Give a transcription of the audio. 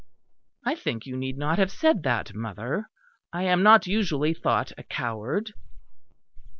"I think you need not have said that, mother; I am not usually thought a coward."